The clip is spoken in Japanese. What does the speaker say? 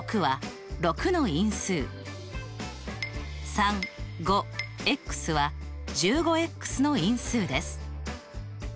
３５は１５の因数です。